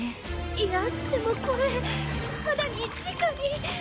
いやでもこれ肌に直に。